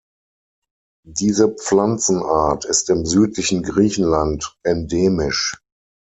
Diese Pflanzen-Art ist im südlichen Griechenland endemisch.